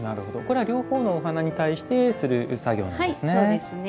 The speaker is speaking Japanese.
両方のお花に対してする作業なんですね。